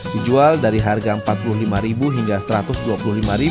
dijual dari harga rp empat puluh lima hingga rp satu ratus dua puluh lima